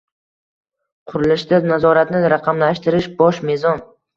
Qurilishda nazoratni raqamlashtirish – bosh mezon